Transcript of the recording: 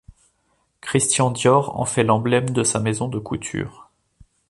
Christian Dior en fait l’emblème de sa Maison de couture.